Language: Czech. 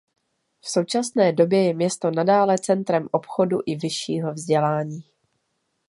V současné době je město nadále centrem obchodu i vyššího vzdělání.